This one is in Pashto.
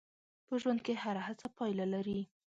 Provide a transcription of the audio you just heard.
په ژوند کې هره هڅه پایله لري.